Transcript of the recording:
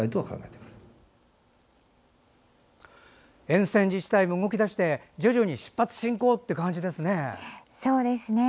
沿線自治体も動き出して徐々に出発進行という感じですね。